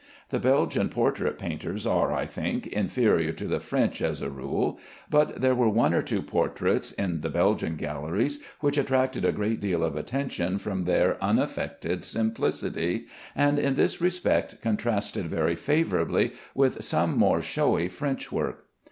The Belgian portrait painters are, I think, inferior to the French as a rule, but there were one or two portraits in the Belgian galleries which attracted a great deal of attention from their unaffected simplicity, and in this respect contrasted very favorably with some more showy French work.